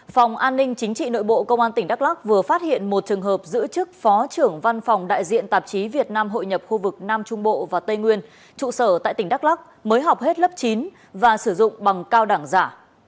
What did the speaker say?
phòng an ninh chính trị nội bộ công an tỉnh đắk lắc vừa phát hiện một trường hợp giữ chức phó trưởng văn phòng đại diện tạp chí việt nam hội nhập khu vực nam trung bộ và tây nguyên trụ sở tại tỉnh đắk lắc mới học hết lớp chín và sử dụng bằng cao đảng giả